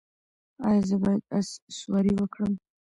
ایا زه باید اس سواري وکړم؟